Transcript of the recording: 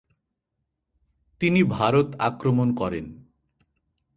তিনি ভারত আক্রমণ করেন।